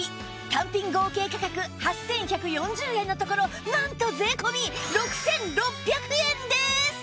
単品合計価格８１４０円のところなんと税込６６００円です